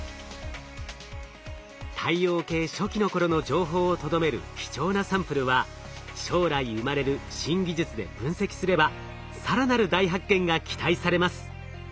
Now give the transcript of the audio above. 太陽系初期の頃の情報をとどめる貴重なサンプルは将来生まれる新技術で分析すれば更なる大発見が期待されます。